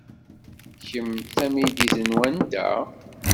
Kemm d tamidit n wanta?